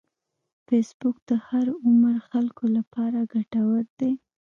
فېسبوک د هر عمر خلکو لپاره ګټور دی